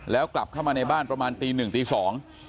แล้วกลับเข้ามาในบ้านประมาณตีหนึ่งตีสอง